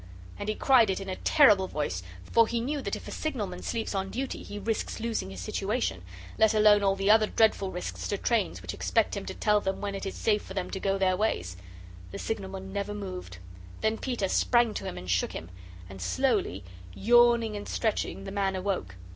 And he cried it in a terrible voice, for he knew that if a signalman sleeps on duty, he risks losing his situation, let alone all the other dreadful risks to trains which expect him to tell them when it is safe for them to go their ways. The signalman never moved. Then Peter sprang to him and shook him. And slowly, yawning and stretching, the man awoke.